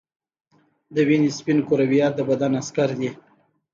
د وینې سپین کرویات د بدن عسکر دي